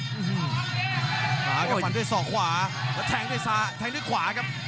โหพยายามจะเหน้นที่สอกขวาเหมือนกันน่าละครับ